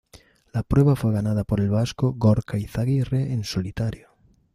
La prueba fue ganada por el vasco Gorka Izagirre en solitario.